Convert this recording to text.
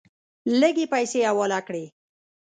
لږې پیسې حواله کړې.